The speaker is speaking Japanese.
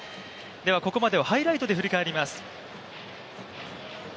ではここまでをハイライトで振り返ります。